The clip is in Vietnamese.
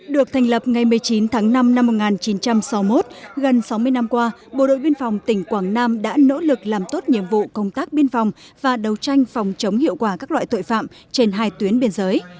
được thành lập ngày một mươi chín tháng năm năm một nghìn chín trăm sáu mươi một gần sáu mươi năm qua bộ đội biên phòng tỉnh quảng nam đã nỗ lực làm tốt nhiệm vụ công tác biên phòng và đấu tranh phòng chống hiệu quả các loại tội phạm trên hai tuyến biên giới